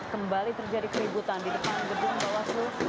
kembali terjadi keributan di depan gedung bawaslu